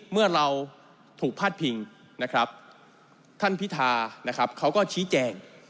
เมื่อเราถูกพาดพิงท่านพิทาเขาก็ชี้แจง